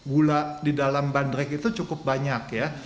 gula di dalam bandrek itu cukup banyak ya